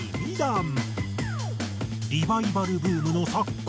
リバイバルブームの昨今